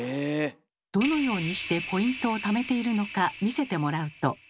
どのようにしてポイントをためているのか見せてもらうと。